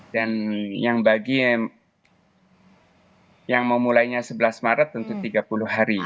dan yang memulainya sebelas maret tentu tiga puluh hari